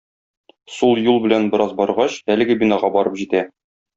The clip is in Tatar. Сул юл белән бераз баргач, әлеге бинага барып җитә.